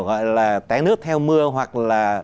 gọi là té nước theo mưa hoặc là